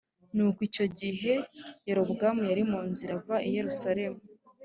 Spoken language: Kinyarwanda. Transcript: Nuko icyo gihe Yerobowamu yari mu nzira ava i Yerusalemu